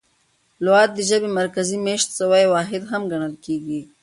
لغت د ژبي مرکزي مېشت سوی واحد هم ګڼل کیږي.